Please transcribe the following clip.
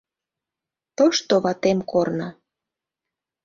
Тошто ватем корно...